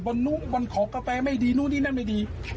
บนของกาแฟไม่ดีนู่นนี่นั่นไม่ดี